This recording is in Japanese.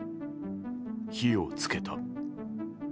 火を付けた。